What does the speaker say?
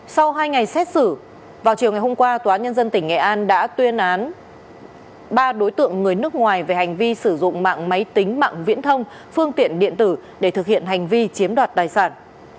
sau hai ngày xét xử vào chiều ngày hôm qua tòa nhân dân tỉnh nghệ an đã tuyên án ba đối tượng người nước ngoài về hành vi sử dụng mạng máy tính mạng viễn thông phương tiện điện tử để thực hiện hành vi chiếm đoạt tài sản